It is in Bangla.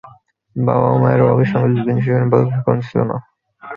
বাবা মায়েরও অভাবের সংসার ছিল, কিন্তু সেখানে ভালোবাসার কমতি ছিল না।